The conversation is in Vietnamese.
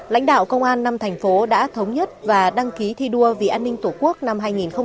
lãnh đạo công an năm thành phố đã thống nhất và đăng ký thi đua vì an ninh tổ quốc năm hai nghìn hai mươi ba